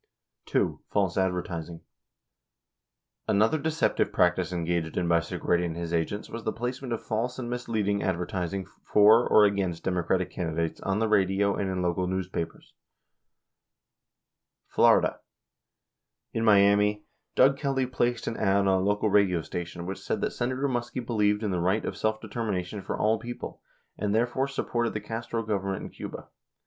(ii) False Advertising .— Another deceptive practice engaged in by Segretti and his agents was the placement of false and misleading advertising for or against Democratic candidates on the radio and in local newspapers. Florida: In Miami, Doug Kelly placed an ad on a local radio station which said that Senator Muskie believed in the right of self determi nation for all people, and therefore, supported the Castro govern ment in Cuba.